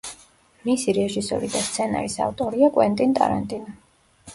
მისი რეჟისორი და სცენარის ავტორია კვენტინ ტარანტინო.